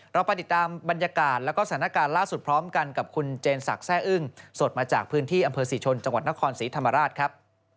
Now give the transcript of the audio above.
เราไปติดตามบรรยากาศแล้วก็สถานการณ์ล่าสุดพร้อมกันกับคุณเจนศักดิ์แซ่อึ้งสดมาจากพื้นที่อำเภอศรีชนจังหวัดนครศรีธรรมราชครับ